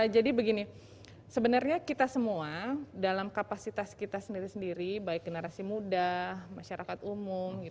jadi begini sebenarnya kita semua dalam kapasitas kita sendiri sendiri baik generasi muda masyarakat umum